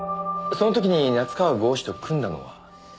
その時に夏河郷士と組んだのは？